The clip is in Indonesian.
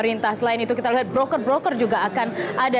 yang akan dimulai hari ini di jakarta